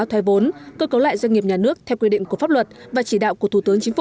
thuê vốn cơ cấu lại doanh nghiệp nhà nước theo quy định của pháp luật và chỉ đạo của thủ tướng chính phủ